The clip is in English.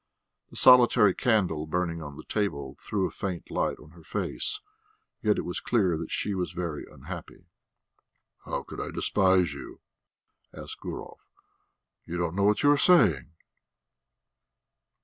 The solitary candle burning on the table threw a faint light on her face, yet it was clear that she was very unhappy. "How could I despise you?" asked Gurov. "You don't know what you are saying."